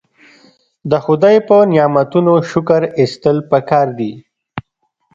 د خدای په نعمتونو شکر ایستل پکار دي.